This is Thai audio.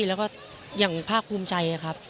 แล้วก็อย่างภาคภูมิใจครับ